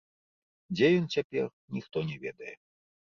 Дзе ён цяпер, ніхто не ведае.